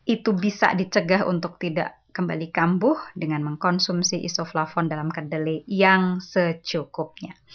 itu bisa dicegah untuk tidak kembali kampuh dengan mengkonsumsi isoflavon dalam kedelai yang secukupnya